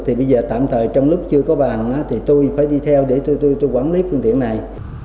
thì bây giờ tạm thời trong lúc chưa có bàn thì tôi phải đi theo để tôi quản lý phương tiện này